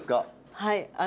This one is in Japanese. はい。